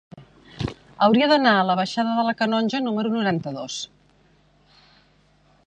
Hauria d'anar a la baixada de la Canonja número noranta-dos.